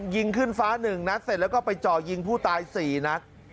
ยิงขึ้นฟ้าหนึ่งนักเสร็จแล้วก็ไปจ่อยิงผู้ตายสี่นัก